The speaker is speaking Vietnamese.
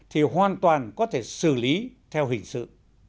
thì hoàn toàn có thể xử lý theo hình sự